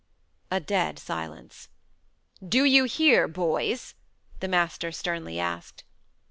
A dead silence. "Do you hear, boys?" the master sternly asked.